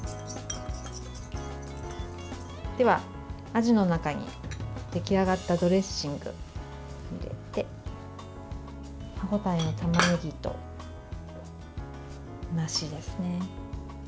では、あじの中に、出来上がったドレッシングを入れて歯応えのたまねぎと、梨ですね。